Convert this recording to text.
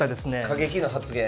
過激な発言。